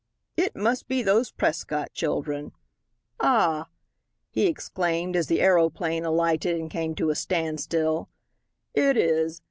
"It must be those Prescott children. Ah!" he exclaimed, as the aeroplane alighted and came to a standstill, "it is!